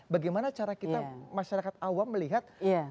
bagaimana cara kita masyarakat awam melihat